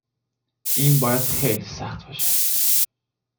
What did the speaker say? این باید خیلی سخت باشه